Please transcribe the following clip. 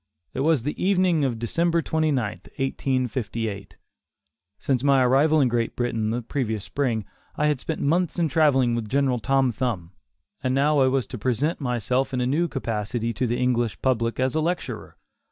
It was the evening of December 29, 1858. Since my arrival in Great Britain the previous spring, I had spent months in travelling with General Tom Thumb, and now I was to present myself in a new capacity to the English public as a lecturer.